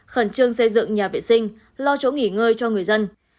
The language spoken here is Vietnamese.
khẩn trương xây dựng nhà vệ sinh lo chỗ nghỉ ngơi cho người dân